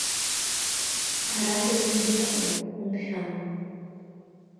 Арахь аӡәгьы дықәлом, умшәан!